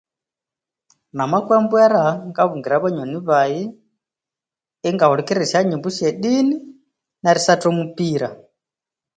Namakwa embwera ngabungira banyoni baghe ingahulikirira esyonyimbo syadini nerisatha omupira